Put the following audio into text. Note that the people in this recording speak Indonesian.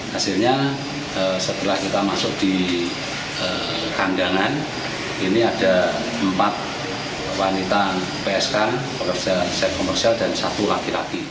hasilnya setelah kita masuk di kandangan ini ada empat wanita psk pekerja set komersial dan satu laki laki